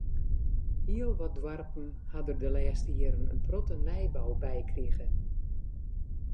Hiel wat doarpen ha der de lêste jierren in protte nijbou by krige.